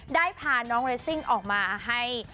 ได้พาน้องเรสซิ่งออกมาให้